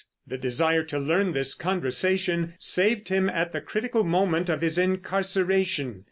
The desire to learn this conversation saved him at the critical moment of his incarceration.